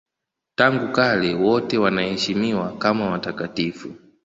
Tangu kale wote wanaheshimiwa kama watakatifu.